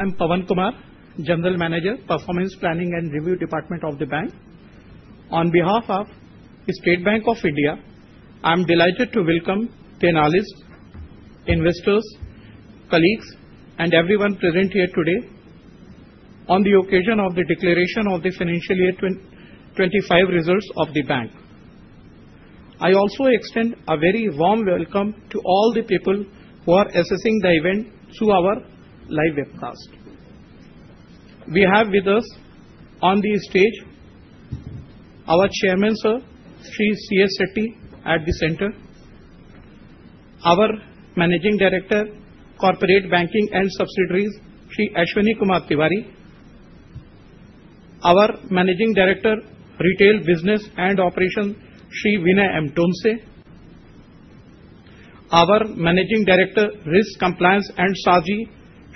I'm Pawan Kumar, General Manager, Performance Planning and Review Department of the Bank. On behalf of State Bank of India, I'm delighted to welcome the analysts, investors, colleagues, and everyone present here today on the occasion of the declaration of the financial year 2025 results of the bank. I also extend a very warm welcome to all the people who are assisting the event through our live webcast. We have with us on the stage our Chairman, Sir, Shri Challa Sreenivasulu Setty at the center, our Managing Director, Corporate Banking and Subsidiaries, Shri Ashwini Kumar Tewari, our Managing Director, Retail Business and Operations, Shri Vinay M. Tonse, our Managing Director, Risk Compliance and SARG,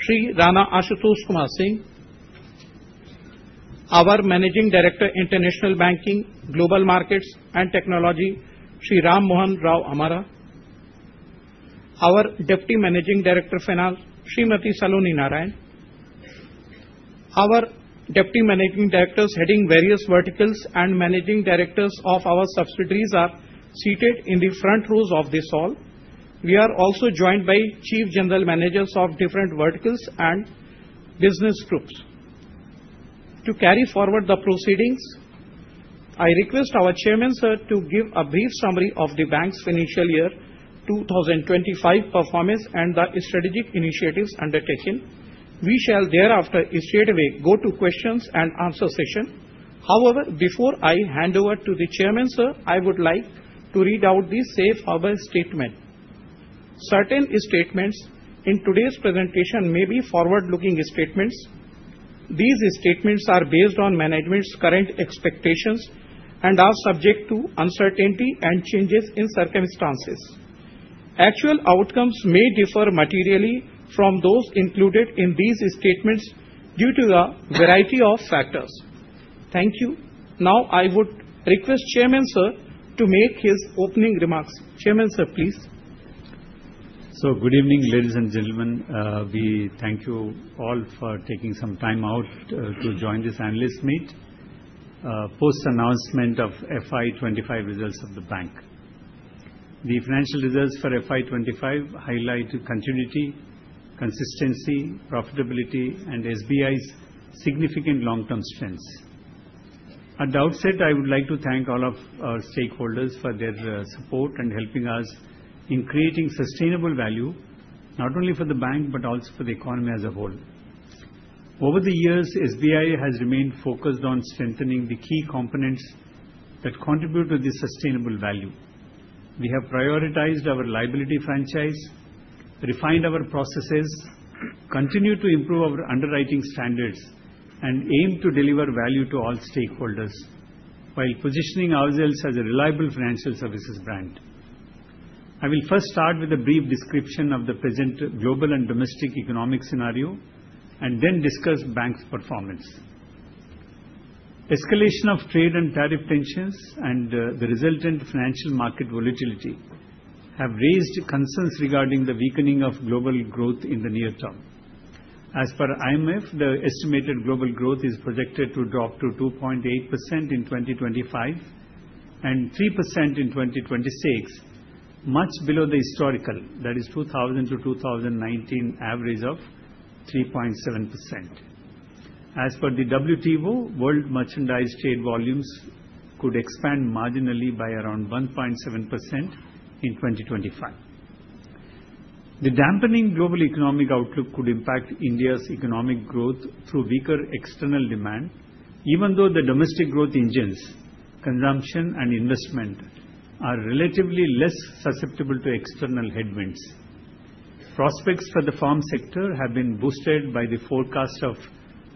Shri Rana Ashutosh Kumar Singh, our Managing Director, International Banking, Global Markets and Technology, Shri Rama Mohan Rao Amara, our Deputy Managing Director, Smt. Saloni Narayan, our Deputy Managing Directors heading various verticals, and Managing Directors of our subsidiaries are seated in the front rows of this hall. We are also joined by Chief General Managers of different verticals and business groups. To carry forward the proceedings, I request our Chairman, Sir, to give a brief summary of the bank's financial year 2025 performance and the strategic initiatives undertaken. We shall thereafter straight away go to questions and answer session. However, before I hand over to the Chairman, Sir, I would like to read out the Safe Harbor Statement. Certain statements in today's presentation may be forward-looking statements. These statements are based on management's current expectations and are subject to uncertainty and changes in circumstances. Actual outcomes may differ materially from those included in these statements due to a variety of factors. Thank you. Now, I would request Chairman, Sir, to make his opening remarks. Chairman, Sir, please. Good evening, ladies and gentlemen. We thank you all for taking some time out to join this analyst meet post-announcement of FY 2025 results of the bank. The financial results for FY 2025 highlight continuity, consistency, profitability, and SBI's significant long-term strengths. At the outset, I would like to thank all of our stakeholders for their support and helping us in creating sustainable value, not only for the bank, but also for the economy as a whole. Over the years, SBI has remained focused on strengthening the key components that contribute to this sustainable value. We have prioritized our liability franchise, refined our processes, continued to improve our underwriting standards, and aimed to deliver value to all stakeholders while positioning ourselves as a reliable financial services brand. I will first start with a brief description of the present global and domestic economic scenario and then discuss the bank's performance. Escalation of trade and tariff tensions and the resultant financial market volatility have raised concerns regarding the weakening of global growth in the near term. As per IMF, the estimated global growth is projected to drop to 2.8% in 2025 and 3% in 2026, much below the historical, that is, 2000 to 2019 average of 3.7%. As per the WTO, world merchandise trade volumes could expand marginally by around 1.7% in 2025. The dampening global economic outlook could impact India's economic growth through weaker external demand, even though the domestic growth engines, consumption, and investment are relatively less susceptible to external headwinds. Prospects for the farm sector have been boosted by the forecast of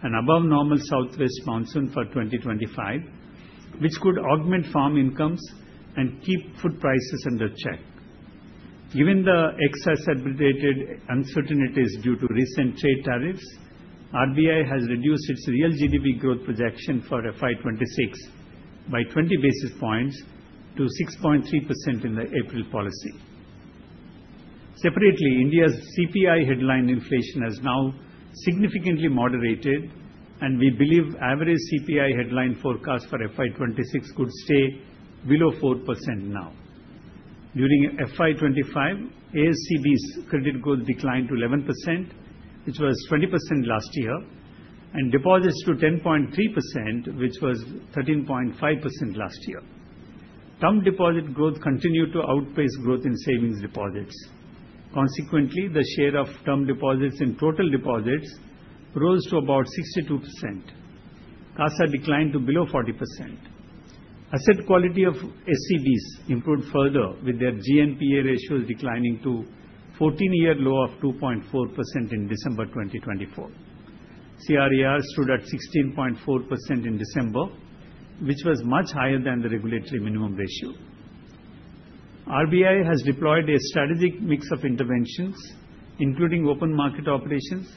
an above-normal southwest monsoon for 2025, which could augment farm incomes and keep food prices under check. Given the excessive uncertainties due to recent trade tariffs, RBI has reduced its real GDP growth projection for FY 2026 by 20 basis points to 6.3% in the April policy. Separately, India's CPI headline inflation has now significantly moderated, and we believe the average CPI headline forecast for FI 2026 could stay below 4% now. During FY 2025, All SCBs' credit growth declined to 11%, which was 20% last year, and deposits to 10.3%, which was 13.5% last year. Term deposit growth continued to outpace growth in savings deposits. Consequently, the share of term deposits in total deposits rose to about 62%. CASA declined to below 40%. Asset quality of SCBs improved further, with their GNPA ratios declining to a 14-year low of 2.4% in December 2024. CRAR stood at 16.4% in December, which was much higher than the regulatory minimum ratio. RBI has deployed a strategic mix of interventions, including open market operations,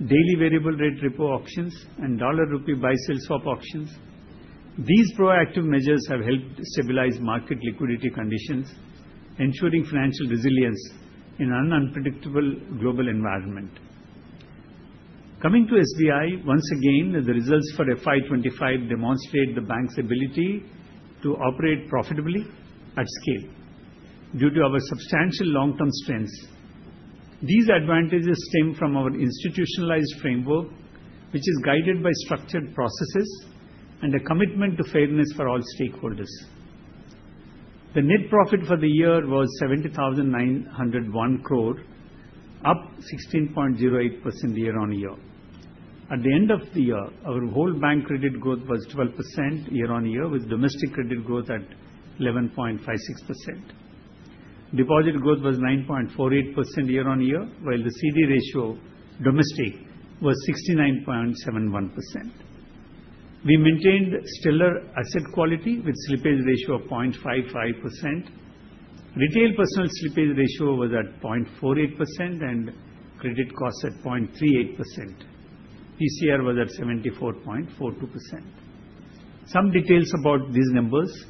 daily variable rate repo options, and dollar/rupee buy-sell swap options. These proactive measures have helped stabilize market liquidity conditions, ensuring financial resilience in an unpredictable global environment. Coming to State Bank of India, once again, the results for FY 2025 demonstrate the bank's ability to operate profitably at scale due to our substantial long-term strengths. These advantages stem from our institutionalized framework, which is guided by structured processes and a commitment to fairness for all stakeholders. The net profit for the year was 70,901 crore, up 16.08% year-on-year. At the end of the year, our whole bank credit growth was 12% year-on-year, with domestic credit growth at 11.56%. Deposit growth was 9.48% year-on-year, while the CD ratio domestic was 69.71%. We maintained stellar asset quality with a slippage ratio of 0.55%. Retail personal slippage ratio was at 0.48% and credit costs at 0.38%. PCR was at 74.42%. Some details about these numbers: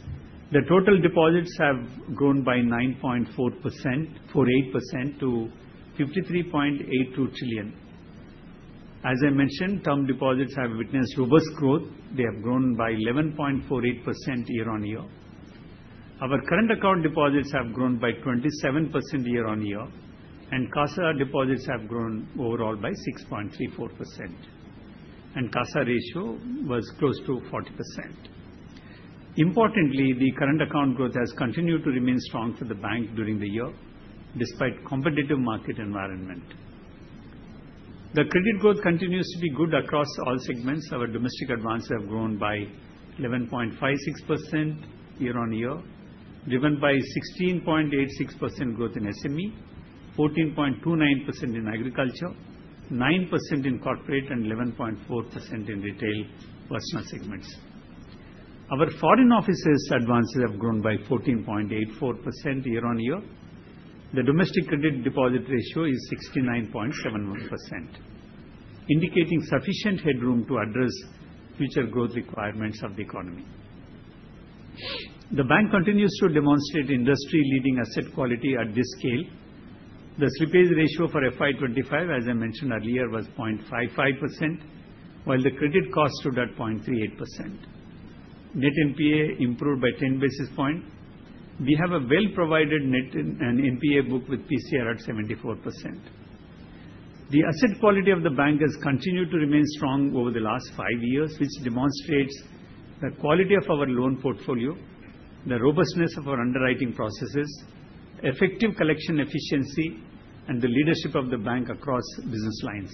the total deposits have grown by 9.48% to 53.82 trillion. As I mentioned, term deposits have witnessed robust growth. They have grown by 11.48% year-on-year. Our current account deposits have grown by 27% year-on-year, and CASA deposits have grown overall by 6.34%. CASA ratio was close to 40%. Importantly, the current account growth has continued to remain strong for the bank during the year, despite a competitive market environment. The credit growth continues to be good across all segments. Our domestic advances have grown by 11.56% year-on-year, driven by 16.86% growth in SME, 14.29% in agriculture, 9% in corporate, and 11.4% in retail personal segments. Our foreign offices' advances have grown by 14.84% year-on-year. The domestic credit deposit ratio is 69.71%, indicating sufficient headroom to address future growth requirements of the economy. The bank continues to demonstrate industry-leading asset quality at this scale. The slippage ratio for FI 2025, as I mentioned earlier, was 0.55%, while the credit cost stood at 0.38%. Net NPA improved by 10 basis points. We have a well-provided net and NPA book with PCR at 74%. The asset quality of the bank has continued to remain strong over the last five years, which demonstrates the quality of our loan portfolio, the robustness of our underwriting processes, effective collection efficiency, and the leadership of the bank across business lines.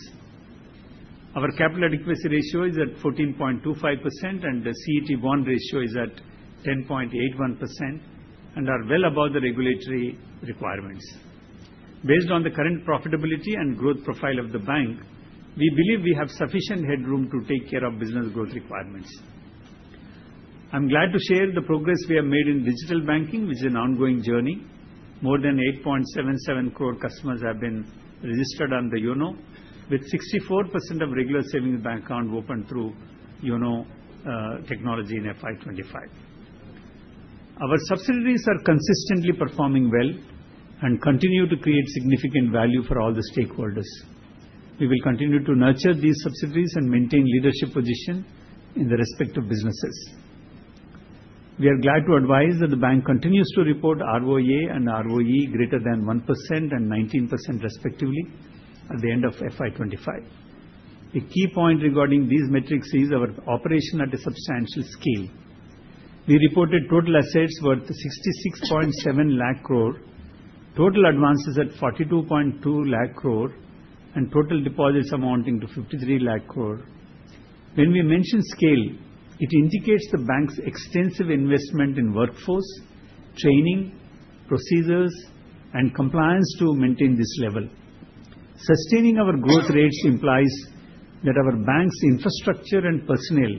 Our capital adequacy ratio is at 14.25%, and the CET1 ratio is at 10.81%, and are well above the regulatory requirements. Based on the current profitability and growth profile of the bank, we believe we have sufficient headroom to take care of business growth requirements. I'm glad to share the progress we have made in digital banking, which is an ongoing journey. More than 8.77 crore customers have been registered on the YONO, with 64% of regular savings bank accounts opened through YONO technology in financial year 2025. Our subsidiaries are consistently performing well and continue to create significant value for all the stakeholders. We will continue to nurture these subsidiaries and maintain leadership positions in the respective businesses. We are glad to advise that the bank continues to report ROA and ROE greater than 1% and 19% respectively at the end of financial year 2025. A key point regarding these metrics is our operation at a substantial scale. We reported total assets worth 66.7 lakh crore, total advances at 42.2 lakh crore, and total deposits amounting to 53 lakh crore. When we mention scale, it indicates the bank's extensive investment in workforce, training, procedures, and compliance to maintain this level. Sustaining our growth rates implies that our bank's infrastructure and personnel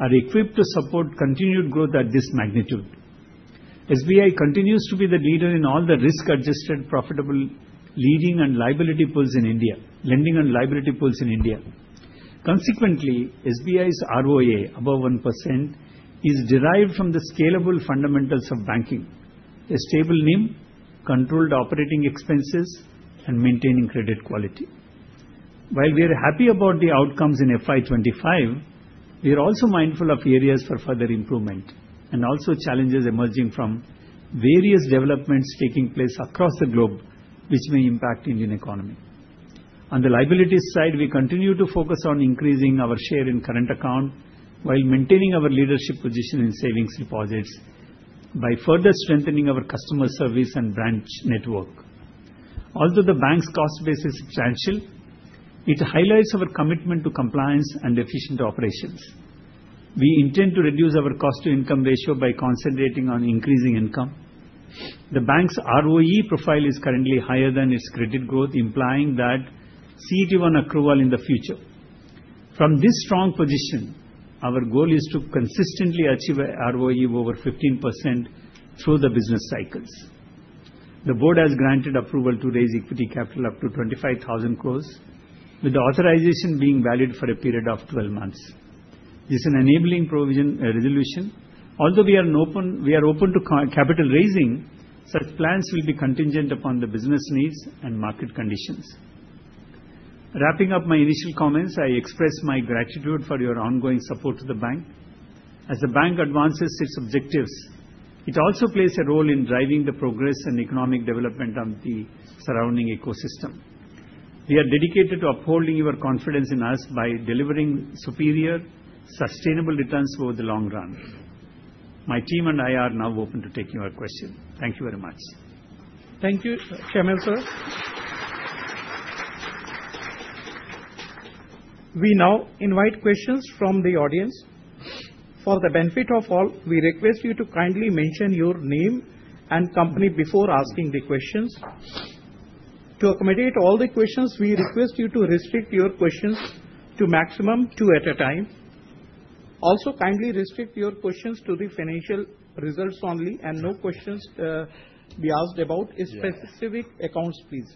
are equipped to support continued growth at this magnitude. State Bank of India continues to be the leader in all the risk-adjusted profitable lending and liability pools in India, lending and liability pools in India. Consequently, State Bank of India's ROA above 1% is derived from the scalable fundamentals of banking: a stable name, controlled operating expenses, and maintaining credit quality. While we are happy about the outcomes in FI 2025, we are also mindful of areas for further improvement and also challenges emerging from various developments taking place across the globe, which may impact the Indian economy. On the liabilities side, we continue to focus on increasing our share in current account while maintaining our leadership position in savings deposits by further strengthening our customer service and branch network. Although the bank's cost base is substantial, it highlights our commitment to compliance and efficient operations. We intend to reduce our cost-to-income ratio by concentrating on increasing income. The bank's ROE profile is currently higher than its credit growth, implying that CET1 accrual in the future. From this strong position, our goal is to consistently achieve an ROE of over 15% through the business cycles. The board has granted approval to raise equity capital up to 25,000 crore, with the authorization being valid for a period of 12 months. This is an enabling provision resolution. Although we are open to capital raising, such plans will be contingent upon the business needs and market conditions. Wrapping up my initial comments, I express my gratitude for your ongoing support to the bank. As the bank advances its objectives, it also plays a role in driving the progress and economic development of the surrounding ecosystem. We are dedicated to upholding your confidence in us by delivering superior, sustainable returns over the long run. My team and I are now open to taking your questions. Thank you very much. Thank you, Chairman, Sir. We now invite questions from the audience. For the benefit of all, we request you to kindly mention your name and company before asking the questions. To accommodate all the questions, we request you to restrict your questions to a maximum of two at a time. Also, kindly restrict your questions to the financial results only and no questions be asked about specific accounts, please.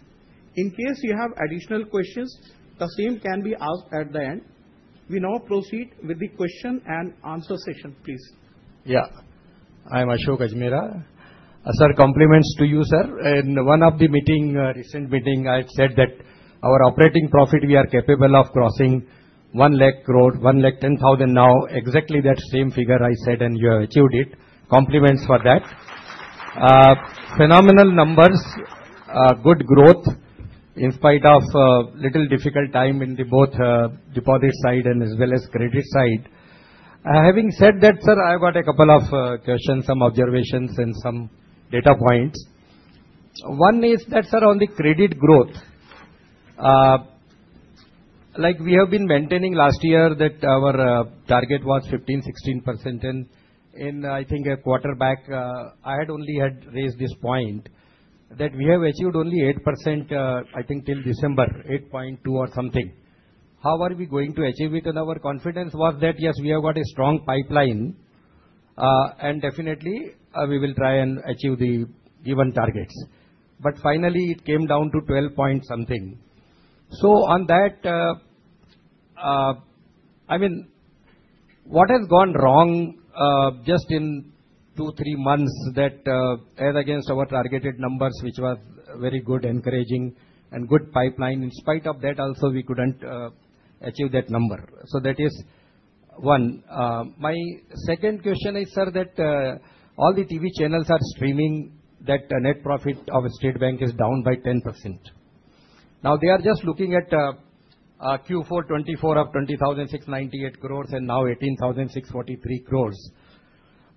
In case you have additional questions, the same can be asked at the end. We now proceed with the question and answer session, please. Yeah, I'm Ashwani Kajmera. Sir, compliments to you, Sir. In one of the meeting, recent meeting, I said that our operating profit, we are capable of crossing 1 lakh crore, 1 lakh 10,000 now, exactly that same figure I said, and you have achieved it. Compliments for that. Phenomenal numbers, good growth in spite of a little difficult time in both the deposit side and as well as credit side. Having said that, Sir, I got a couple of questions, some observations, and some data points. One is that, Sir, on the credit growth, like we have been maintaining last year that our target was 15-16%, and I think a quarter back, I had only raised this point that we have achieved only 8%, I think till December, 8.2 or something. How are we going to achieve it? Our confidence was that, yes, we have got a strong pipeline, and definitely we will try and achieve the given targets. Finally, it came down to 12 point something. On that, I mean, what has gone wrong just in two, three months that as against our targeted numbers, which were very good, encouraging, and good pipeline, in spite of that, also we could not achieve that number. That is one. My second question is, Sir, that all the TV channels are streaming that net profit of State Bank of India is down by 10%. Now they are just looking at Q4 2024 of 20,698 crore and now 18,643 crore.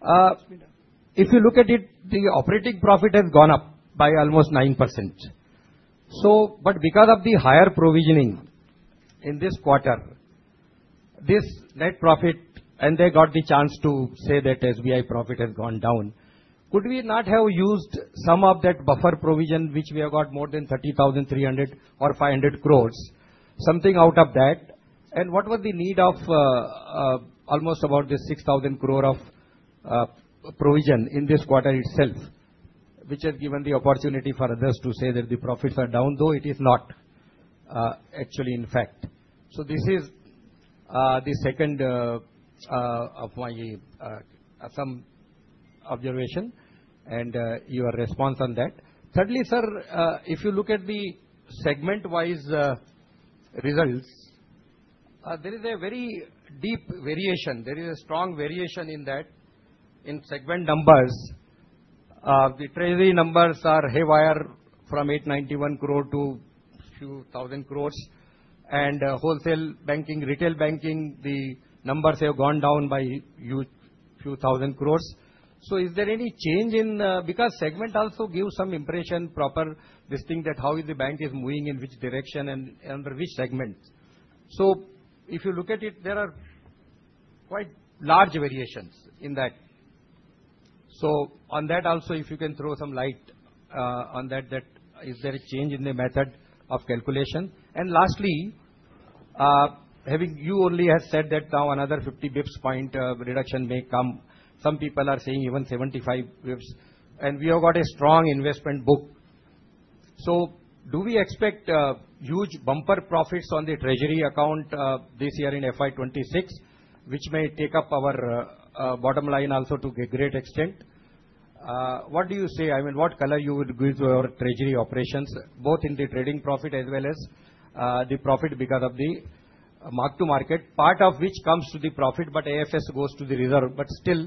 If you look at it, the operating profit has gone up by almost 9%. Because of the higher provisioning in this quarter, this net profit, and they got the chance to say that SBI profit has gone down, could we not have used some of that buffer provision, which we have got more than 30,300 or 500 crore, something out of that? What was the need of almost about the 6,000 crore of provision in this quarter itself, which has given the opportunity for others to say that the profits are down, though it is not actually in fact? This is the second of my some observation and your response on that. Thirdly, Sir, if you look at the segment-wise results, there is a very deep variation. There is a strong variation in that in segment numbers. The treasury numbers are haywire from 891 crore to a few thousand crore, and wholesale banking, retail banking, the numbers have gone down by a few thousand crore. Is there any change in because segment also gives some impression proper this thing that how is the bank is moving in which direction and under which segment? If you look at it, there are quite large variations in that. On that also, if you can throw some light on that, is there a change in the method of calculation? Lastly, having you only have said that now another 50 basis points reduction may come. Some people are saying even 75 basis points, and we have got a strong investment book. Do we expect huge bumper profits on the treasury account this year in FY 2026, which may take up our bottom line also to a great extent? What do you say? I mean, what color you would give to our treasury operations, both in the trading profit as well as the profit because of the mark to market, part of which comes to the profit, but AFS goes to the reserve. Still,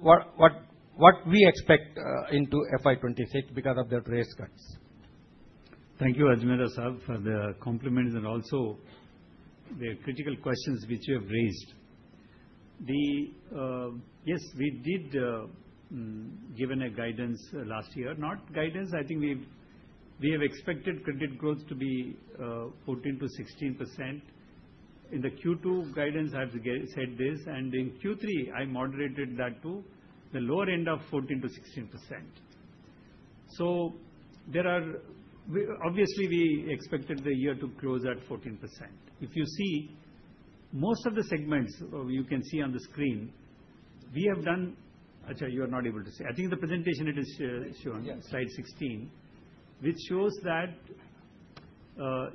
what we expect into FY 2026 because of the rate cuts? Thank you, Ajmera Sahib, for the compliments and also the critical questions which you have raised. Yes, we did give a guidance last year, not guidance. I think we have expected credit growth to be 14-16%. In the Q2 guidance, I have said this, and in Q3, I moderated that to the lower end of 14-16%. Obviously, we expected the year to close at 14%. If you see most of the segments you can see on the screen, we have done actually, you are not able to see. I think the presentation, it is shown slide 16, which shows that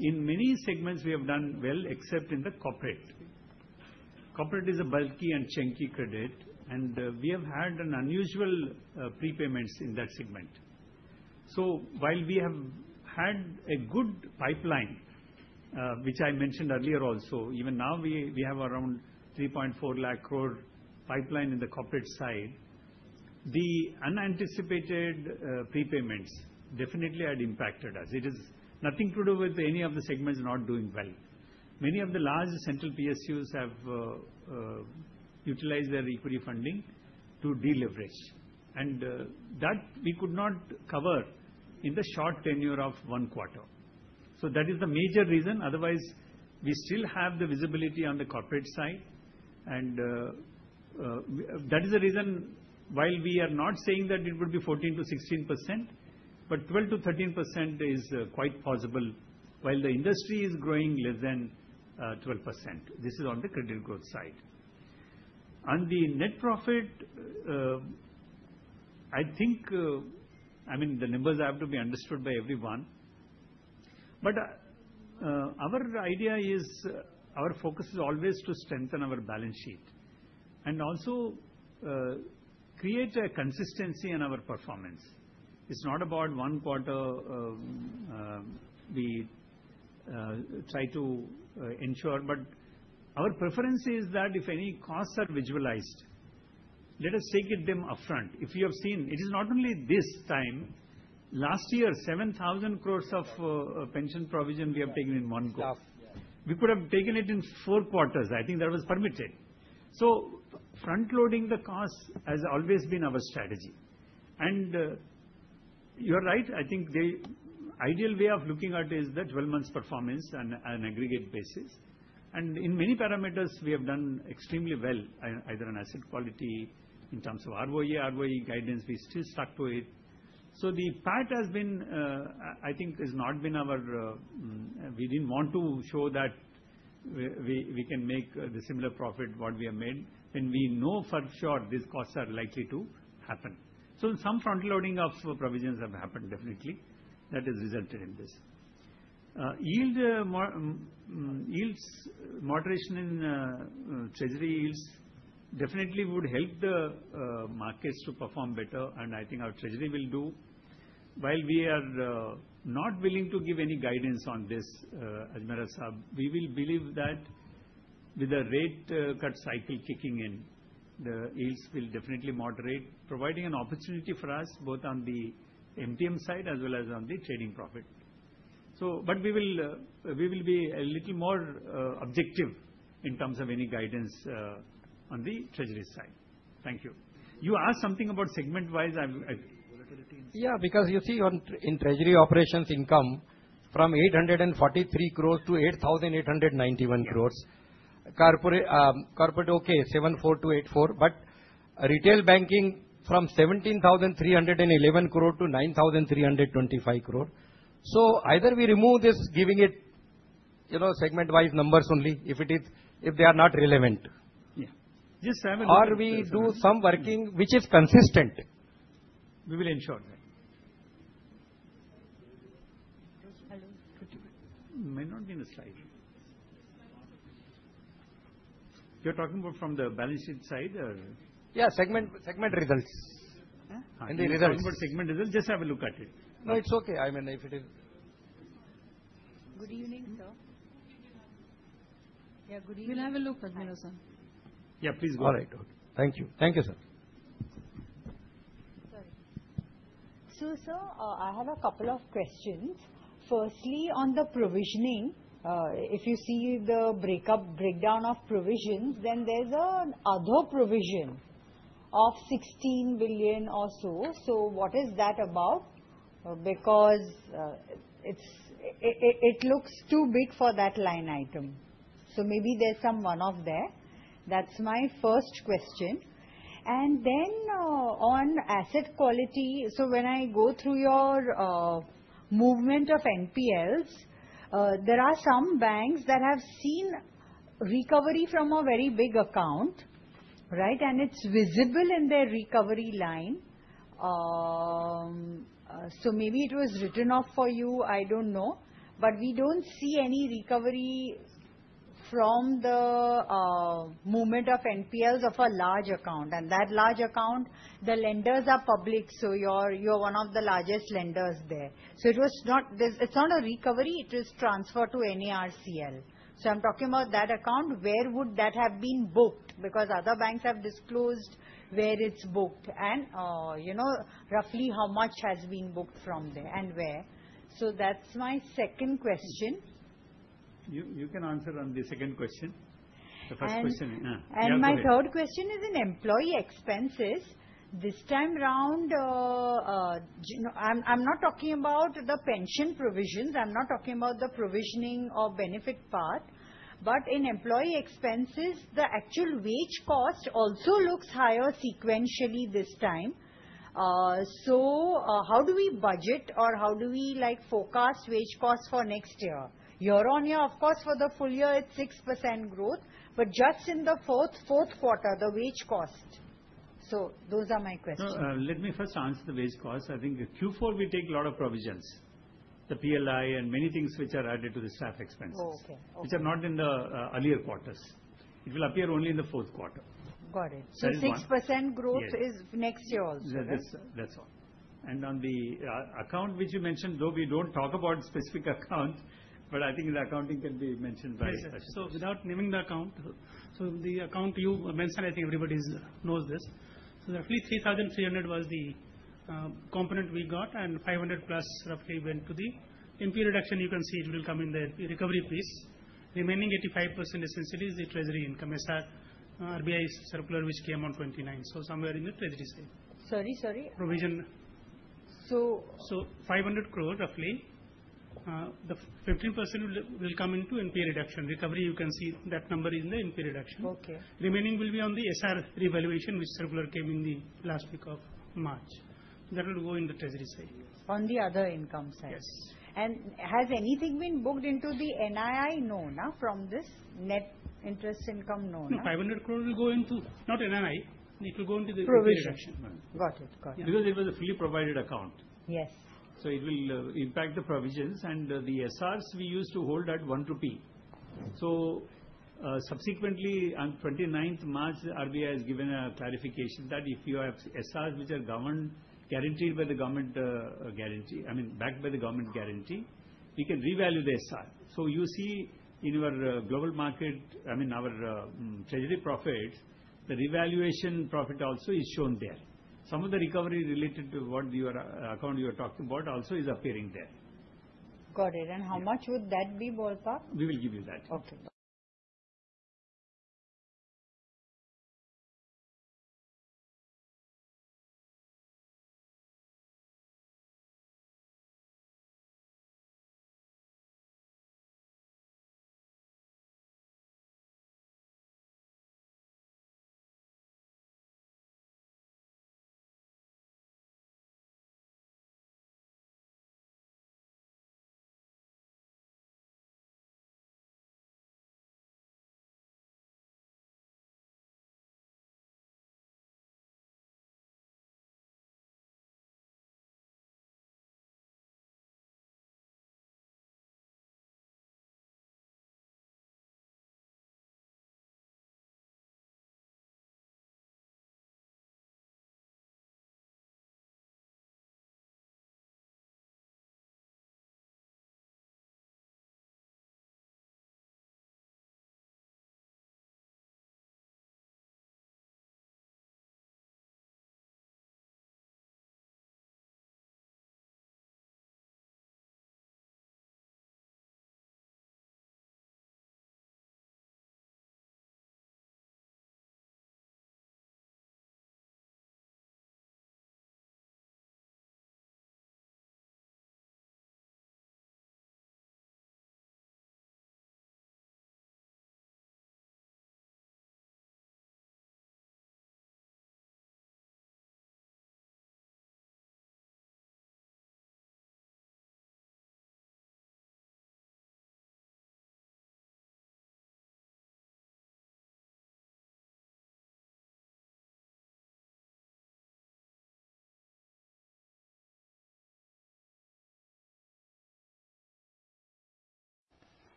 in many segments we have done well except in the corporate. Corporate is a bulky and chunky credit, and we have had an unusual prepayments in that segment. While we have had a good pipeline, which I mentioned earlier also, even now we have around 3.4 lakh crore pipeline in the corporate side, the unanticipated prepayments definitely had impacted us. It is nothing to do with any of the segments not doing well. Many of the large central PSUs have utilized their equity funding to deleverage, and that we could not cover in the short tenure of one quarter. That is the major reason. Otherwise, we still have the visibility on the corporate side, and that is the reason while we are not saying that it would be 14-16%, 12-13% is quite possible while the industry is growing less than 12%. This is on the credit growth side. On the net profit, I think, I mean, the numbers have to be understood by everyone. Our idea is our focus is always to strengthen our balance sheet and also create a consistency in our performance. It's not about one quarter, we try to ensure, but our preference is that if any costs are visualized, let us take them upfront. If you have seen, it is not only this time. Last year, 7,000 crore of pension provision we have taken in one go. We could have taken it in four quarters. I think that was permitted. Front loading the costs has always been our strategy. You are right. I think the ideal way of looking at it is the 12 months performance on an aggregate basis. In many parameters, we have done extremely well, either in asset quality in terms of ROE, ROE guidance, we still stuck to it. The PAT has been, I think, has not been our—we did not want to show that we can make the similar profit that we have made when we know for sure these costs are likely to happen. Some front loading of provisions has happened definitely. That has resulted in this. Yield moderation in treasury yields definitely would help the markets to perform better, and I think our treasury will do. While we are not willing to give any guidance on this, Ajmera Sahib, we believe that with the rate cut cycle kicking in, the yields will definitely moderate, providing an opportunity for us both on the MTM side as well as on the trading profit. We will be a little more objective in terms of any guidance on the treasury side. Thank you. You asked something about segment-wise. Yeah, because you see in treasury operations income from 843 crore to 8,891 crore, corporate okay, 74,284, but retail banking from 17,311 crore to 9,325 crore. Either we remove this, giving it segment-wise numbers only if it is, if they are not relevant. Yeah. Just Sam. We do some working which is consistent. We will ensure that. Hello. May not be in the slide. You're talking about from the balance sheet side? Yeah, segment results. The results. Talking about segment results, just have a look at it. No, it's okay. I mean, if it is. Good evening, sir. Yeah, good evening. We'll have a look, Ajmera Sahib. Yeah, please go ahead. All right. Okay. Thank you. Thank you, sir. Sir, I have a couple of questions. Firstly, on the provisioning, if you see the breakup, breakdown of provisions, then there's an other provision of 16 billion or so. What is that about? Because it looks too big for that line item. Maybe there's some one-off there. That's my first question. On asset quality, when I go through your movement of NPLs, there are some banks that have seen recovery from a very big account, right? It's visible in their recovery line. Maybe it was written off for you, I don't know, but we don't see any recovery from the movement of NPLs of a large account. That large account, the lenders are public, so you're one of the largest lenders there. It was not a recovery, it was transferred to NARCL. I'm talking about that account, where would that have been booked? Because other banks have disclosed where it's booked and roughly how much has been booked from there and where. That's my second question. You can answer on the second question. The first question. My third question is in employee expenses. This time round, I'm not talking about the pension provisions. I'm not talking about the provisioning or benefit part. In employee expenses, the actual wage cost also looks higher sequentially this time. How do we budget or how do we forecast wage costs for next year? Year on year, of course, for the full year, it's 6% growth, but just in the fourth quarter, the wage cost. Those are my questions. Let me first answer the wage costs. I think Q4, we take a lot of provisions, the PLI and many things which are added to the staff expenses, which are not in the earlier quarters. It will appear only in the fourth quarter. Got it. 6% growth is next year also. Yes, that's all. On the account, which you mentioned, though we don't talk about specific account, I think the accounting can be mentioned by. Yes. Without naming the account, the account you mentioned, I think everybody knows this. Roughly 3,300 crore was the component we got and 500 crore plus roughly went to the NPA reduction. You can see it will come in the recovery piece. Remaining 85% essentially is the treasury income as per RBI circular, which came on 29. Somewhere in the treasury side. Sorry, sorry? Provision. So. 500 crore roughly, the 15% will come into NP reduction. Recovery, you can see that number is in the NP reduction. Okay. Remaining will be on the SR revaluation, which circular came in the last week of March. That will go in the treasury side. On the other income side. Yes. Has anything been booked into the NII? No, from this net interest income, no. 500 crore will go into not NII. It will go into the NP reduction. Provision. Got it. Got it. Because it was a fully provided account. Yes. It will impact the provisions and the SRs we used to hold at one rupee. Subsequently, on 29th March, RBI has given a clarification that if you have SRs which are guaranteed by the government guarantee, I mean, backed by the government guarantee, we can revalue the SR. You see in our global market, I mean, our treasury profit, the revaluation profit also is shown there. Some of the recovery related to what your account you are talking about also is appearing there. Got it. How much would that be, Bholkar? We will give you that. Okay.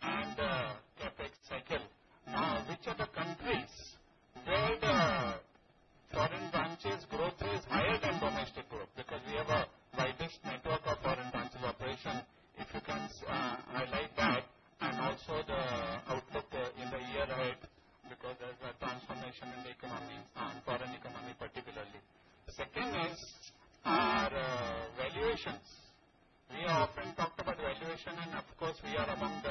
The topic second, which of the countries where the foreign branches growth is higher than domestic growth because we have a widest network of foreign branches operation, if you can highlight that, and also the outlook in the year ahead because there's a transformation in the economy, foreign economy particularly. Second is our valuations. We have often talked about valuation, and of course, we are among the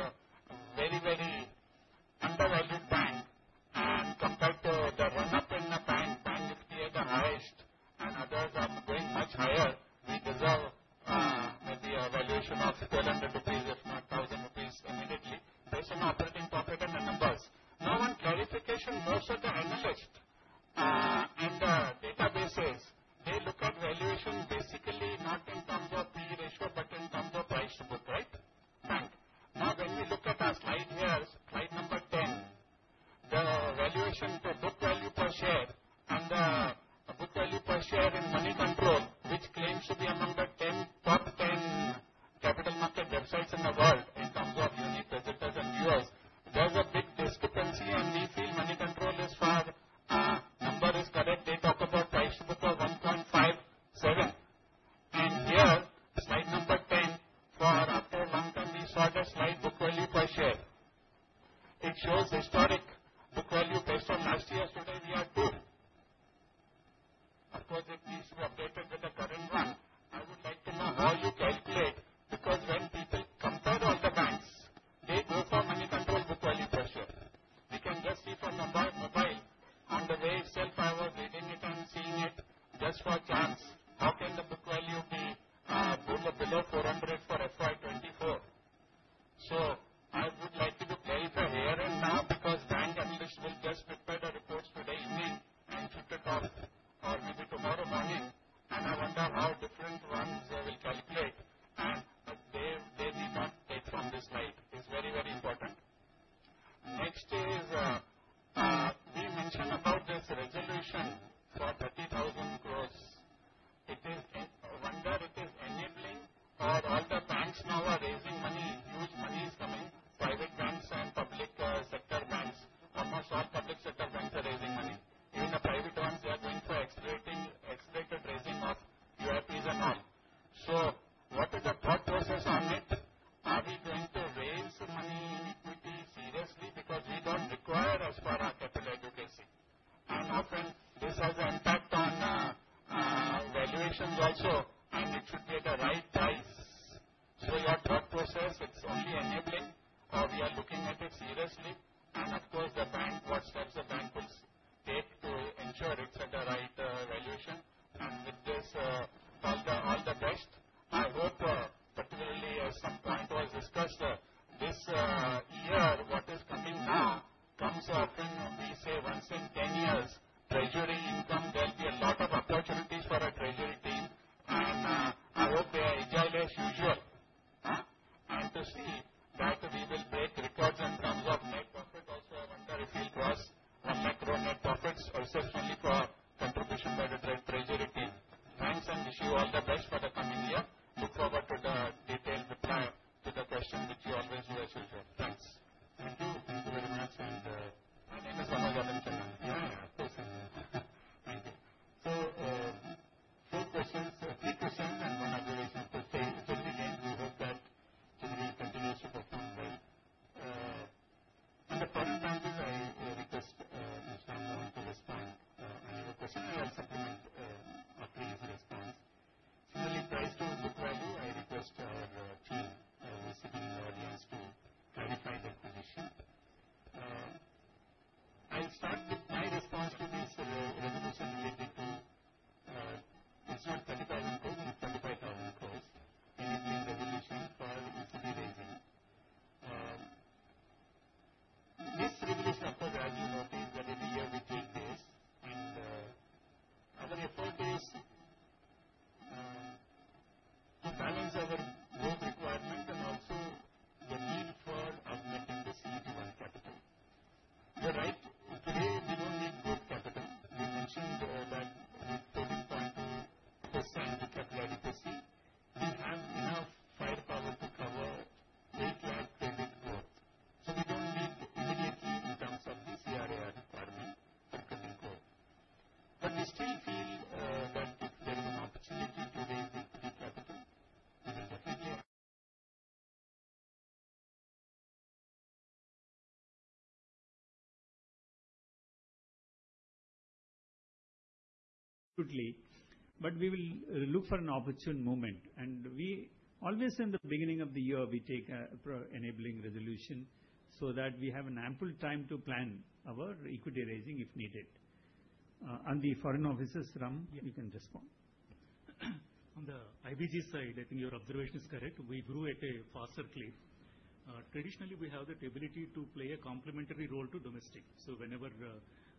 and it should be at a right price. Your thought process, it's only enabling or we are looking at it seriously? Of course,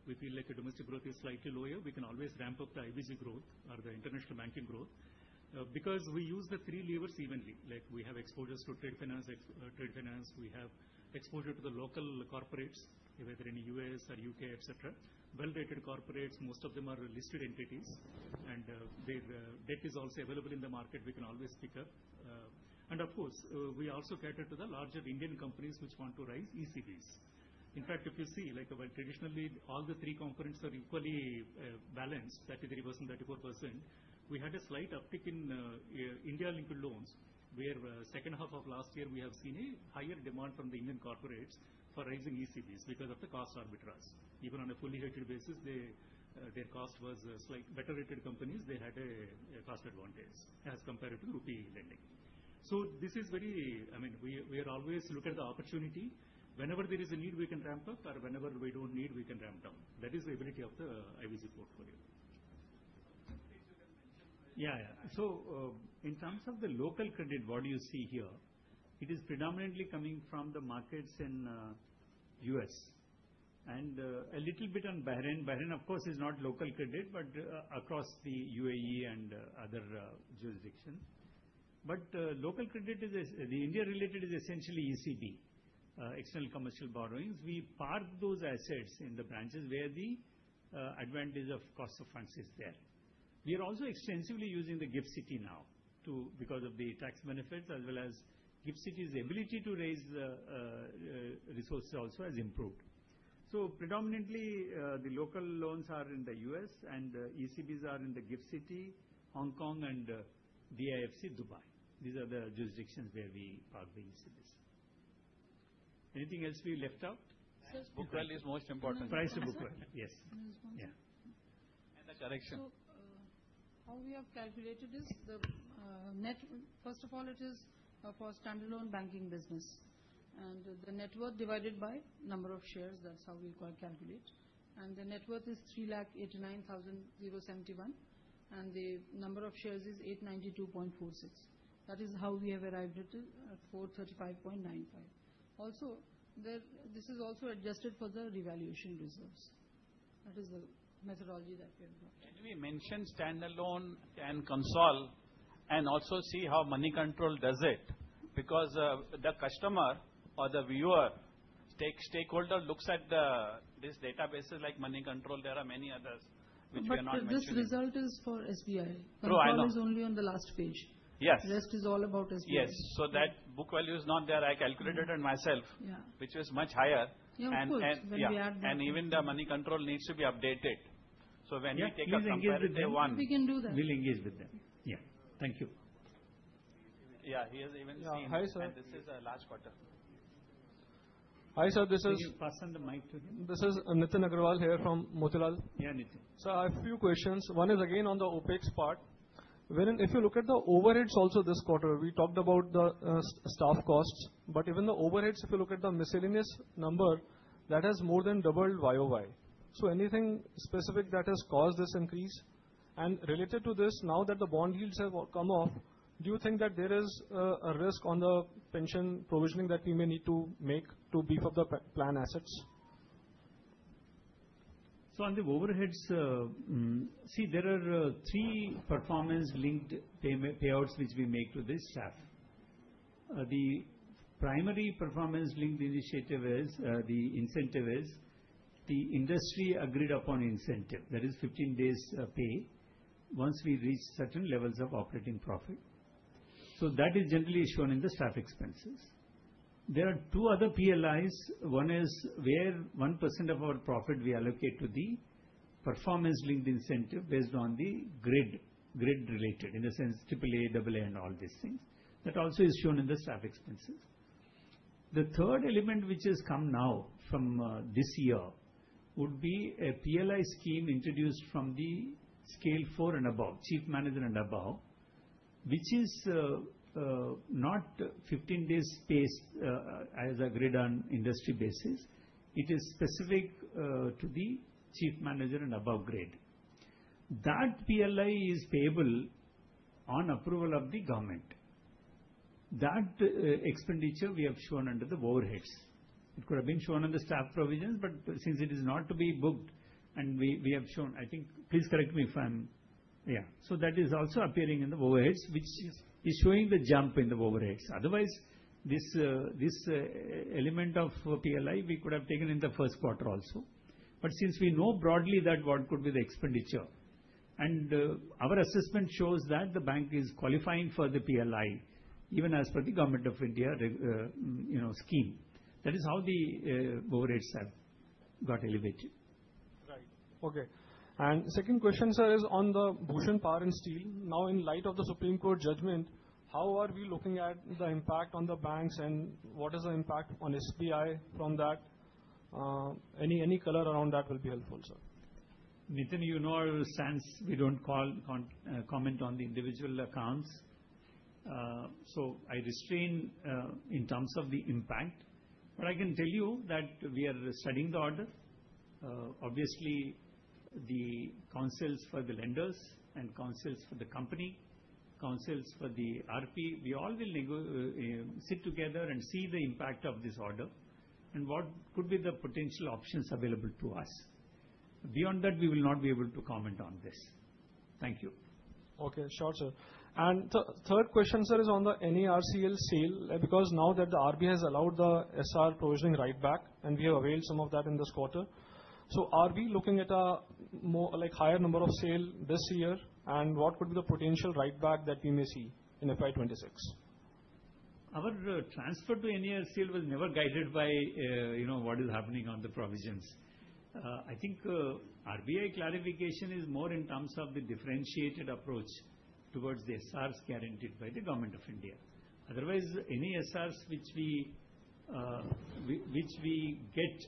we feel like domestic growth is slightly lower, we can always ramp up the IBG growth or the international banking growth because we use the three levers evenly. We have exposures to trade finance. We have exposure to the local corporates, whether in the US or U.K., etc. Well-rated corporates, most of them are listed entities, and their debt is also available in the market. We can always pick up. Of course, we also cater to the larger Indian companies which want to raise ECBs. In fact, if you see, traditionally, all the three components are equally balanced, 33%, 34%. We had a slight uptick in India-linked loans, where second half of last year, we have seen a higher demand from the Indian corporates for raising ECBs because of the cost arbitrage. Even on a fully rated basis, their cost was slight better rated companies, they had a cost advantage as compared to the Rupee lending. This is very, I mean, we are always looking at the opportunity. Whenever there is a need, we can ramp up, or whenever we do not need, we can ramp down. That is the ability of the IBG portfolio. Yeah, yeah. In terms of the local credit, what you see here, it is predominantly coming from the markets in the US. A little bit on Bahrain. Bahrain, of course, is not local credit, but across the UAE and other jurisdictions. Local credit is the India-related, is essentially ECB, external commercial borrowings. We park those assets in the branches where the advantage of cost of funds is there. We are also extensively using the GIFT City now because of the tax benefits, as well as GIFT City's ability to raise resources also has improved. Predominantly, the local loans are in the US, and the ECBs are in the GIFT City, Hong Kong, and DIFC, Dubai. These are the jurisdictions where we park the ECBs. Anything else we left out? Book value is most important. Price to book value. Yes. The correction. How we have calculated is the net, first of all, it is for standalone banking business. The net worth divided by number of shares, that's how we calculate. The net worth is 389,071 million, and the number of shares is 892.46 million. That is how we have arrived at 435.95. Also, this is also adjusted for the revaluation reserves. That is the methodology that we have got. Can we mention standalone and console, and also see how Moneycontrol does it? Because the customer or the viewer, stakeholder looks at this database like Moneycontrol. There are many others which we are not mentioning. This result is for SBI. True, I know. Moneycontrol is only on the last page. Yes. The rest is all about SBI. Yes. That book value is not there. I calculated it myself, which was much higher. Yeah, of course. Even the Moneycontrol needs to be updated. When we take a comparative one, we can do that. We'll engage with them. Yeah. Thank you. Yeah, he has even seen. Hi, sir. This is Raj Khota. Hi, sir. This is. Can you pass on the mic to him? This is Nitin Aggarwal here from Motilal. Yeah, Nithin. I have a few questions. One is again on the OpEx part. If you look at the overheads also this quarter, we talked about the staff costs. Even the overheads, if you look at the miscellaneous number, that has more than doubled year over year. Anything specific that has caused this increase? Related to this, now that the bond yields have come off, do you think that there is a risk on the pension provisioning that we may need to make to beef up the plan assets? On the overheads, there are three performance-linked payouts which we make to the staff. The primary performance-linked initiative is the incentive, which is the industry agreed-upon incentive. That is 15 days pay once we reach certain levels of operating profit. That is generally shown in the staff expenses. There are two other PLIs. One is where 1% of our profit we allocate to the performance-linked incentive based on the grid-related, in the sense AAA, AAA, and all these things. That also is shown in the staff expenses. The third element which has come now from this year would be a PLI scheme introduced from the scale four and above, chief manager and above, which is not 15 days pays as agreed on industry basis. It is specific to the chief manager and above grade. That PLI is payable on approval of the government. That expenditure we have shown under the overheads. It could have been shown on the staff provisions, but since it is not to be booked, and we have shown, I think, please correct me if I'm yeah. That is also appearing in the overheads, which is showing the jump in the overheads. Otherwise, this element of PLI we could have taken in the first quarter also. Since we know broadly that what could be the expenditure, and our assessment shows that the bank is qualifying for the PLI, even as per the Government of India scheme. That is how the overheads have got elevated. Right. Okay. Second question, sir, is on the Bhushan Power and Steel. Now, in light of the Supreme Court judgment, how are we looking at the impact on the banks and what is the impact on SBI from that? Any color around that will be helpful, sir. Nithin, you know our stance, we don't comment on the individual accounts. I restrain in terms of the impact. I can tell you that we are studying the order. Obviously, the counsels for the lenders and counsels for the company, counsels for the RP, we all will sit together and see the impact of this order and what could be the potential options available to us. Beyond that, we will not be able to comment on this. Thank you. Okay. Sure, sir. Third question, sir, is on the NARCL sale because now that the RBI has allowed the SR provisioning right back, and we have availed some of that in this quarter. Are we looking at a higher number of sale this year, and what could be the potential right back that we may see in FY 2026? Our transfer to NARCL was never guided by what is happening on the provisions. I think RBI clarification is more in terms of the differentiated approach towards the SRs guaranteed by the Government of India. Otherwise, any SRs which we get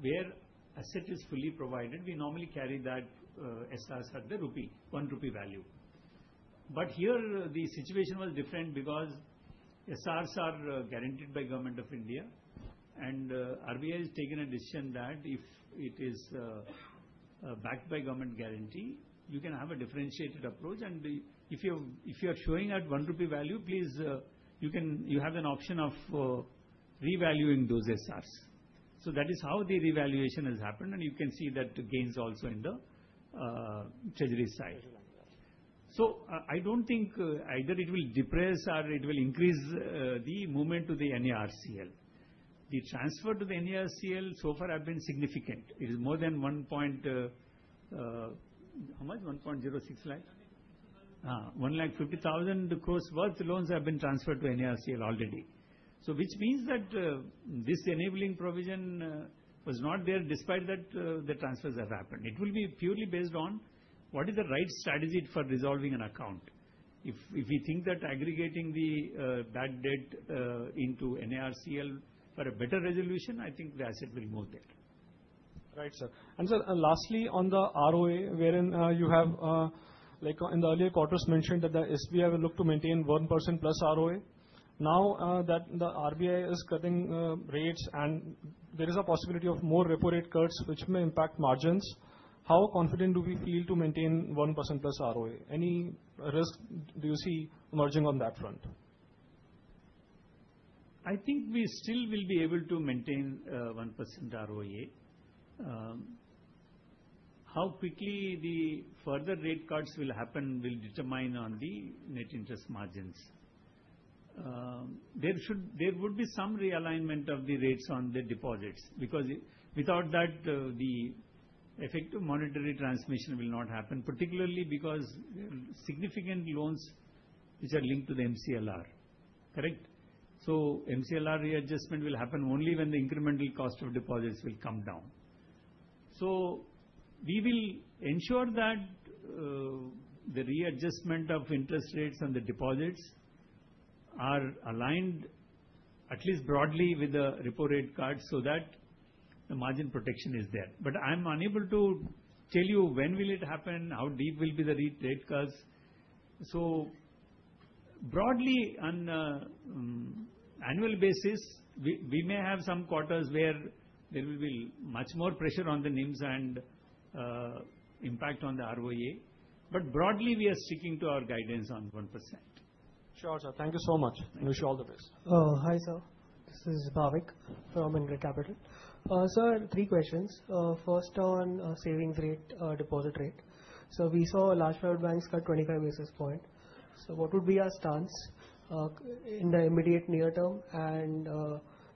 where asset is fully provided, we normally carry that SRs at the Rupee, one Rupee value. Here, the situation was different because SRs are guaranteed by Government of India, and RBI has taken a decision that if it is backed by government guarantee, you can have a differentiated approach. If you are showing at one Rupee value, please, you have an option of revaluing those SRs. That is how the revaluation has happened, and you can see that gains also in the treasury side. I do not think either it will depress or it will increase the movement to the NARCL. The transfer to the NARCL so far has been significant. It is more than one point how much? 1.06 lakh? 150,000 crore worth loans have been transferred to NARCL already. This means that this enabling provision was not there, despite that the transfers have happened. It will be purely based on what is the right strategy for resolving an account. If we think that aggregating the bad debt into NARCL for a better resolution, I think the asset will move there. Right, sir. Sir, lastly, on the ROA, wherein you have in the earlier quarters mentioned that the State Bank of India will look to maintain 1% plus ROA. Now that the RBI is cutting rates, and there is a possibility of more repo rate cuts, which may impact margins, how confident do we feel to maintain 1% plus ROA? Any risk do you see emerging on that front? I think we still will be able to maintain 1% ROA. How quickly the further rate cuts will happen will determine on the net interest margins. There would be some realignment of the rates on the deposits because without that, the effective monetary transmission will not happen, particularly because significant loans which are linked to the MCLR. Correct? MCLR readjustment will happen only when the incremental cost of deposits will come down. We will ensure that the readjustment of interest rates and the deposits are aligned, at least broadly, with the repo rate cuts so that the margin protection is there. I'm unable to tell you when will it happen, how deep will be the rate cuts. Broadly, on an annual basis, we may have some quarters where there will be much more pressure on the NIMs and impact on the ROA. Broadly, we are sticking to our guidance on 1%. Sure, sir. Thank you so much. I wish you all the best. Oh, hi, sir. This is Bhavik from InCred Capital. Sir, three questions. First, on savings rate, deposit rate. We saw large private banks cut 25 basis points. What would be our stance in the immediate near term?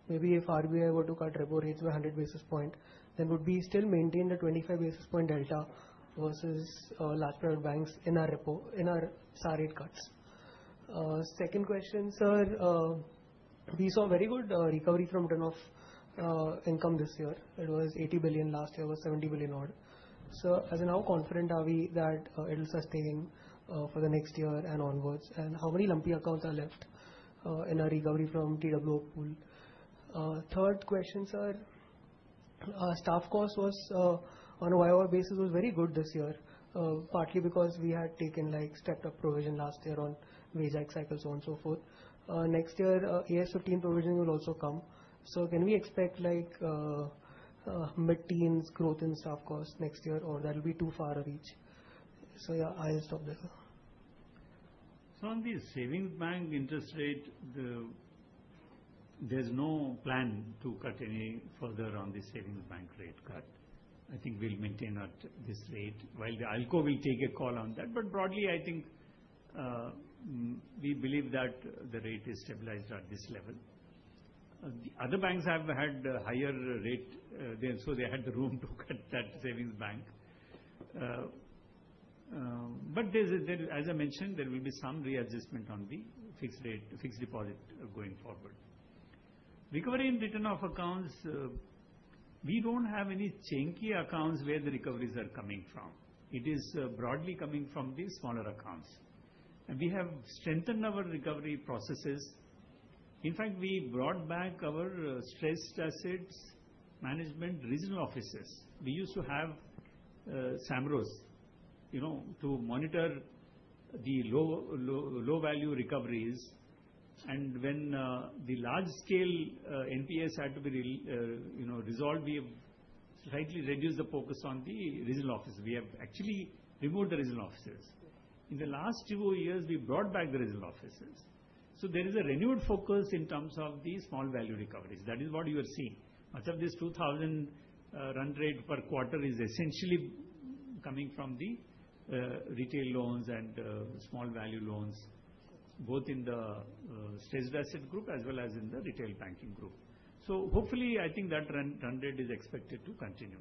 If RBI were to cut repo rates by 100 basis points, would we still maintain the 25 basis point delta versus large private banks in our SAR rate cuts? Second question, sir, we saw very good recovery from write-off income this year. It was 80 billion last year, was 70 billion odd. How confident are we that it will sustain for the next year and onwards? How many lumpy accounts are left in our recovery from TWO pool? Third question, sir, staff cost was on a YOR basis was very good this year, partly because we had taken stepped up provision last year on wage cycle, so on and so forth. Next year, AS15 provision will also come. Can we expect mid-teens growth in staff cost next year, or that will be too far to reach? I'll stop there, sir. On the savings bank interest rate, there's no plan to cut any further on the savings bank rate cut. I think we'll maintain at this rate. While the ALCO will take a call on that, broadly, I think we believe that the rate is stabilized at this level. The other banks have had higher rates, so they had the room to cut that savings bank. As I mentioned, there will be some readjustment on the fixed deposit going forward. Recovery and return of accounts, we don't have any chunky accounts where the recoveries are coming from. It is broadly coming from the smaller accounts. We have strengthened our recovery processes. In fact, we brought back our stressed assets management regional offices. We used to have Samros to monitor the low-value recoveries. When the large-scale NPAs had to be resolved, we have slightly reduced the focus on the regional offices. We have actually removed the regional offices. In the last two years, we brought back the regional offices. There is a renewed focus in terms of the small-value recoveries. That is what you are seeing. Much of this 2,000 million run rate per quarter is essentially coming from the retail loans and small-value loans, both in the stressed asset group as well as in the retail banking group. Hopefully, I think that run rate is expected to continue.